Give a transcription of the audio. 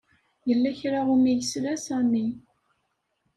Yella kra umi yesla Sami.